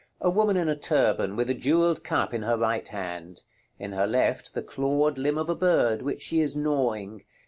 A woman in a turban, with a jewelled cup in her right hand. In her left, the clawed limb of a bird, which she is gnawing.